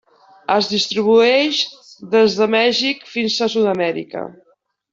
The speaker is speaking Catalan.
Es distribueix des de Mèxic fins a Sud-amèrica.